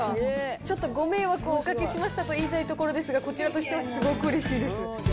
ちょっとご迷惑をおかけしましたと言いたいところですが、こちらとしてはすごくうれしいです。